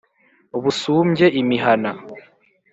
busumbye imihana.